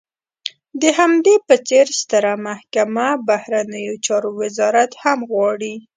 د همدې په څېر ستره محکمه، بهرنیو چارو وزارت هم غواړي.